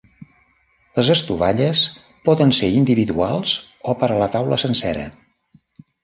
Les estovalles poden ser individuals o per a la taula sencera.